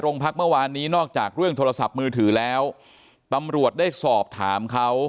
พักเมื่อวานนี้นอกจากเรื่องโทรศัพท์มือถือแล้วตำรวจได้สอบถามเขา